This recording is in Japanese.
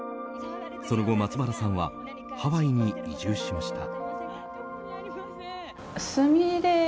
その後、松原さんはハワイに移住しました。